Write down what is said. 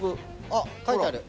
あっ書いてある。